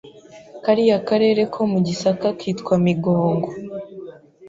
kariya karere ko mu Gisaka kitwa Migongo